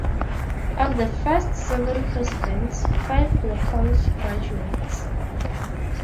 Of the first seven Presidents, five were college graduates.